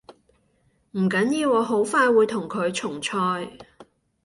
唔緊要，我好快會同佢重賽